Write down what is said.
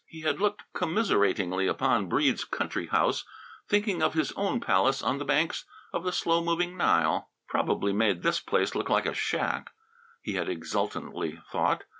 He had looked commiseratingly upon Breede's country house, thinking of his own palace on the banks of the slow moving Nile. " probably made this place look like a shack!" he had exultantly thought.